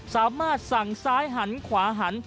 สามารถสั่งซ้ายหันขวาหัน